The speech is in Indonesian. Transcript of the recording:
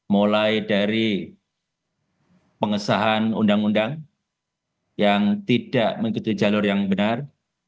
mulai dari pengesahan undang undang yang tidak mengikuti jalur yang benar